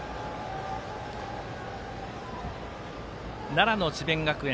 奈良の智弁学園